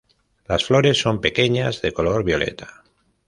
Las flores son pequeñas de color violeta.